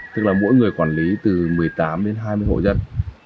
tức là mỗi người quản lý từ một mươi tám đến hai mươi hộ dân